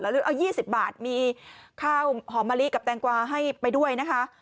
หรือเอา๒๐บาทมีข้าวหอมมะลิกับแตงกวาให้ไปด้วยนะคะ